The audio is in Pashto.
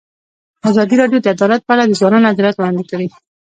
ازادي راډیو د عدالت په اړه د ځوانانو نظریات وړاندې کړي.